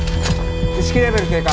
意識レベル低下。